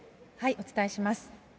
お伝えします。